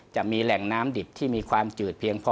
จะมีแหล่งน้ำดิบที่มีความจืดเพียงพอ